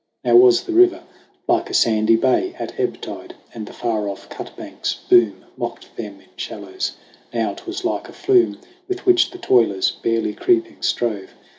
Now was the river like a sandy bay At ebb tide, and the far off cutbank's boom Mocked them in shallows ; now 'twas like a flume With which the toilers, barely creeping, strove.